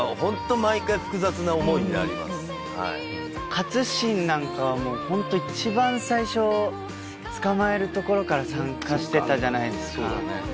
勝新なんかはホント一番最初捕まえるところから参加してたじゃないですか。